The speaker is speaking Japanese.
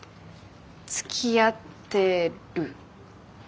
つきあってる。